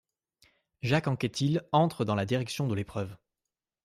Jacques Anquetil entre dans la direction de l'épreuve.